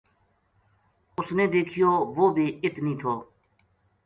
اُس نے دیکھیو وہ بی ات نیہہ تھو